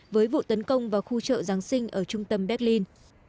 với vụ tấn công vào khu chợ giáng sinh ở trung tâm berlin